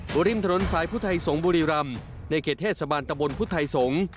ตัวริมถนนสายพุทธัยสงส์บุรีลำในเขตเทศบาลตะบลพุทธัยสงส์